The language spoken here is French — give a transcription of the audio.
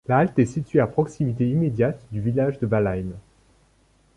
La halte est située à proximité immédiate du village de Walheim.